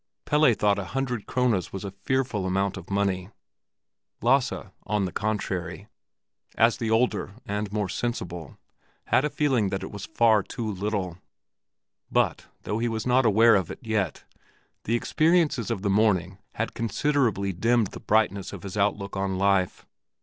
Pelle thought a hundred krones was a fearful amount of money; Lasse, on the contrary, as the older and more sensible, had a feeling that it was far too little. But, though he was not aware of it yet, the experiences of the morning had considerably dimmed the brightness of his outlook on life.